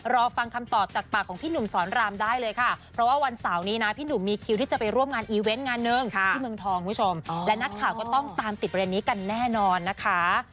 และนัดข่าก็ต้องสร้างติดบริเวณนี้กันแน่นอนนะคะ